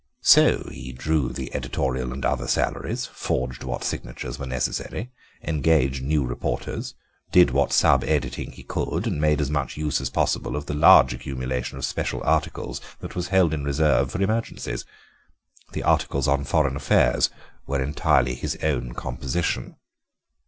So he drew the editorial and other salaries, forged what signatures were necessary, engaged new reporters, did what sub editing he could, and made as much use as possible of the large accumulation of special articles that was held in reserve for emergencies. The articles on foreign affairs were entirely his own composition.